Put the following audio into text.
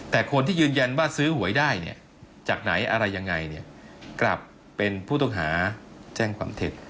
แต่คนที่ยืนยันว่าซื้อหวยได้เนี่ยจากไหนอะไรยังไงเนี่ยกลับเป็นผู้ต้องหาแจ้งความเท็จ